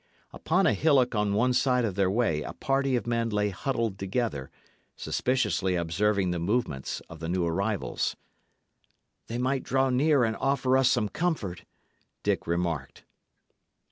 Upon a hillock on one side of their way a party of men lay huddled together, suspiciously observing the movements of the new arrivals. "They might draw near and offer us some comfort," Dick remarked.